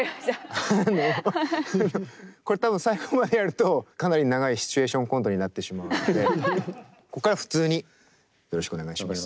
あのこれ多分最後までやるとかなり長いシチュエーションコントになってしまうのでここから普通によろしくお願いします。